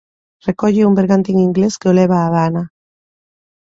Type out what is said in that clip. Recólleo un bergantín inglés que o leva á Habana.